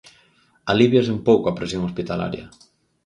Alíviase un pouco a presión hospitalaria.